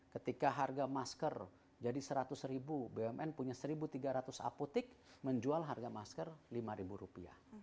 ketika harga masker jadi seratus ribu bumn punya seribu tiga ratus apotek menjual harga masker lima rupiah